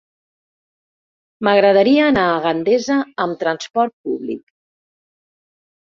M'agradaria anar a Gandesa amb trasport públic.